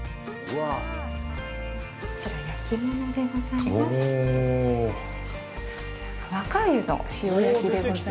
こちら、焼き物でございます。